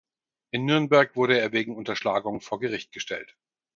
In Nürnberg wurde er wegen Unterschlagung vor Gericht gestellt.